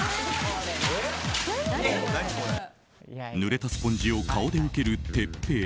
濡れたスポンジを顔で受ける徹平。